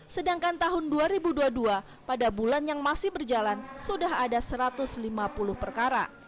sedangkan tahun dua ribu dua puluh dua pada bulan yang masih berjalan sudah ada satu ratus lima puluh perkara